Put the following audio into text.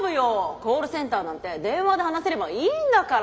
コールセンターなんて電話で話せればいいんだから。